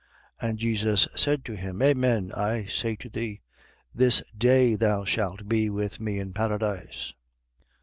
23:43. And Jesus said to him: Amen I say to thee: This day thou shalt be with me in paradise.